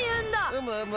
うむうむ。